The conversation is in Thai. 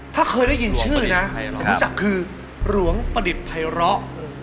ถ้าเคยได้ยินชื่อนะรู้จักคือหลวงประดิษฐ์ไพร้อ